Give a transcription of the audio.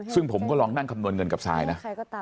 ซึ่งผมก็ลองนั่งคำนวณเงินกับซายนะ